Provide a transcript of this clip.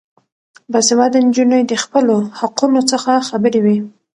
باسواده نجونې د خپلو حقونو څخه خبرې وي.